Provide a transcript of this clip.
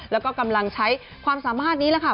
แล้วก็กำลังใช้ความสามารถนี้แหละค่ะ